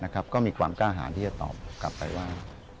ก็มีความกล้าหารที่จะตอบกลับไปว่า